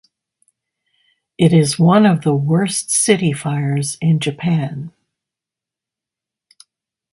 It is one of the worst city fires in Japan.